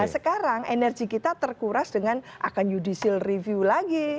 sekarang energi kita terkuras dengan akan judicial review lagi